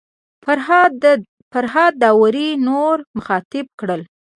فرهاد داوري نور مخاطب کړل.